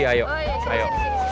terima kasih opsa